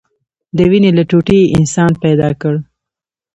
د وينې له ټوټې يې انسان پيدا كړ.